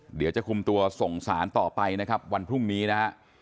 เดี๋ยวจะคุมตัวส่งสารต่อไปนะครับวันพรุ่งนี้นะฮะ